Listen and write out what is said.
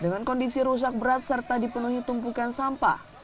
dengan kondisi rusak berat serta dipenuhi tumpukan sampah